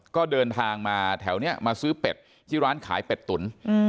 ก็เดินทางมาแถวนี้มาซื้อเป็ดที่ร้านขายเป็ดตุ๋น